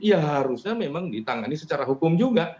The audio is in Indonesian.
ya harusnya memang ditangani secara hukum juga